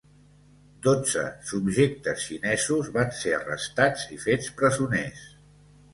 Dotze subjectes xinesos van ser arrestats i fets presoners.